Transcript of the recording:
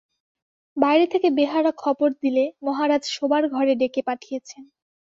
বাইরে থেকে বেহারা খবর দিলে মহারাজ শোবার ঘরে ডেকে পাঠিয়েছেন।